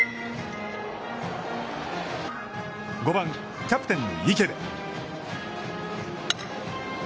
５番、キャプテンの池辺。